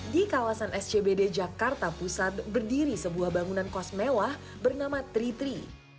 di kawasan scbd jakarta pusat berdiri sebuah bangunan kos mewah bernama tri tri